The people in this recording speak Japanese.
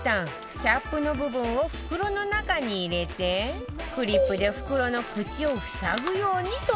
キャップの部分を袋の中に入れてクリップで袋の縁を塞ぐように留めるだけ